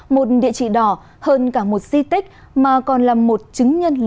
một địa chỉ đỏ hơn cả một di tích mà còn là một chứng nhân lớn